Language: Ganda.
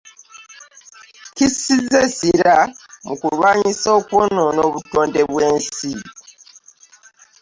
Kissizza essira mu kulwanyisa okwonoona obutonde bw'ensi